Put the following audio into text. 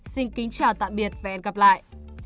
xin kính chào tạm biệt và hẹn gặp lại